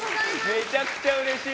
めちゃくちゃうれしい！